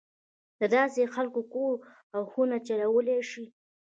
دداسې خلک کور او خونه چلولای شي.